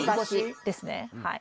ですねはい。